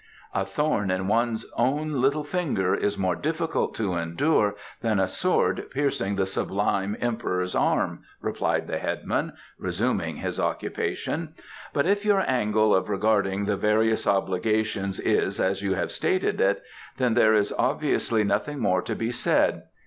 "'A thorn in one's own little finger is more difficult to endure than a sword piercing the sublime Emperor's arm,'" replied the headman, resuming his occupation. "But if your angle of regarding the various obligations is as you have stated it, then there is obviously nothing more to be said.